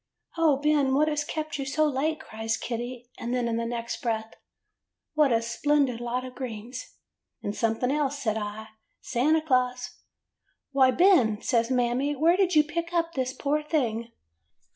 " 'O Ben, what has kept you so late?* cries Kitty; and then in the next breath, 'What a splendid lot of greens.' " 'And something else,* says I. 'Santa Claus.' " 'Why, Ben !* says Mammy. 'Where did you pick up this poor thing?